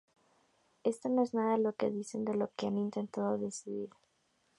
Esto no es nada de lo que dicen, de lo que han intentado decir".